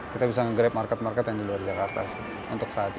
kita bisa nge grab market market yang di luar jakarta untuk saat ini